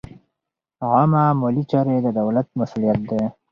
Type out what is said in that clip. عامه مالي چارې د دولت مسوولیت دی.